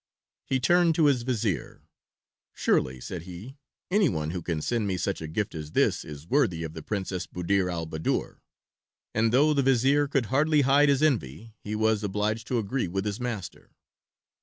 He turned to his Vizier. "Surely," said he, "anyone who can send me such a gift as this is worthy of the Princess Buddir al Baddoor;" and though the Vizier could hardly hide his envy he was obliged to agree with his master.